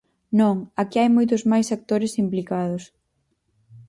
Non, aquí hai moitos máis actores implicados.